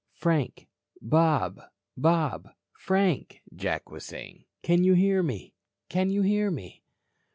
"Frank. Bob. Bob. Frank," Jack was saying. "Can you hear me? Can you hear me?"